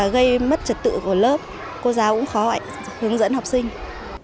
gây mất trật tự của lớp cô giáo cũng khó hướng dẫn học sinh